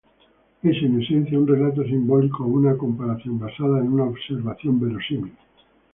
Es, en esencia, un relato simbólico o una comparación basada en una observación verosímil.